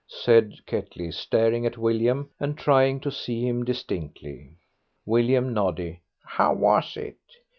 said Ketley, staring at William and trying to see him distinctly. William nodded. "How was it?